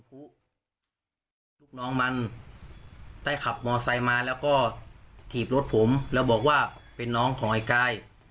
ลูกน้องมันได้ขับมอไซค์มาแล้วก็ถีบรถผมแล้วบอกว่าเป็นน้องของไอ้กาย